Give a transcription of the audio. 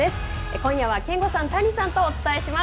今夜は憲剛さん、谷さんとお伝えします。